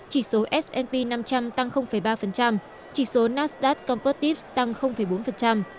chỉ số s p năm trăm linh tăng ba chỉ số nasdaq competitive tăng bốn